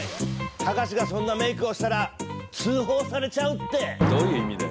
隆がそんなメイクをしたら通報されちゃうって！